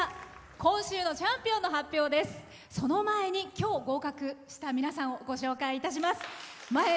今日、合格した皆さんをご紹介いたします。